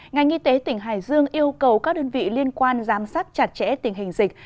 ngành y tế tỉnh hải dương yêu cầu các đơn vị liên quan giám sát chặt chẽ tình hình dịch